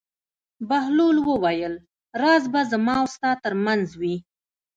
بهلول وویل: راز به زما او ستا تر منځ وي.